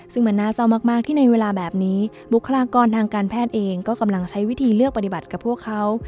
ซึ่งมันน่าเศร้ามากที่ในเวลาแบบนี้บุคลากรทางการแพทย์เองก็กำลังใช้วิธีเลือกปฏิบัติกับพวกเขา